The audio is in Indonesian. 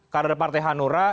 kader partai hanura